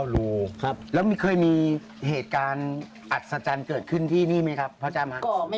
รู้ครับแล้วเคยมีเหตุการณ์อัศจรรย์เกิดขึ้นที่นี่ไหมครับพ่อจ้ำฮะ